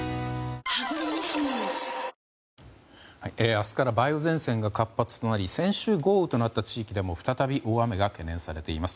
明日から梅雨前線が活発となり先週、豪雨となった地域でも再び大雨が懸念されています。